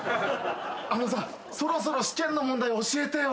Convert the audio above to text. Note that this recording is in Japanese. あのさそろそろ試験の問題教えてよ。